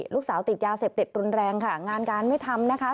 ลูกสาวติดยาเสพติดรุนแรงค่ะงานการไม่ทำนะคะ